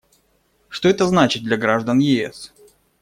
Что это значит для граждан ЕС?